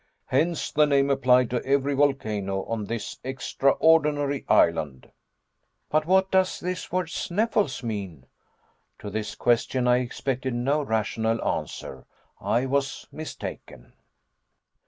Hence the name applied to every volcano on this extraordinary island." "But what does this word Sneffels mean?" To this question I expected no rational answer. I was mistaken.